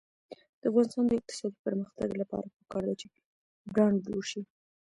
د افغانستان د اقتصادي پرمختګ لپاره پکار ده چې برانډ جوړ شي.